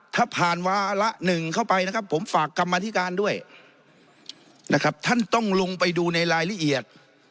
ถ้าผ่านวาระหนึ่งเข้าไปนะครับผมฝากกรรมธิการด้วยนะครับท่านต้องลงไปดูในรายละเอียด